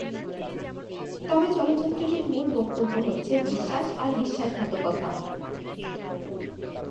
তবে চলচ্চিত্রটির মূল বক্তব্য হচ্ছে বিশ্বাস আর বিশ্বাসঘাতকতা।